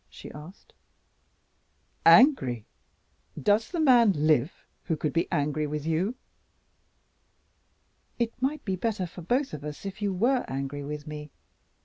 she asked. "Angry! Does the man live who could be angry with you?" "It might be better for both of us if you were angry with me.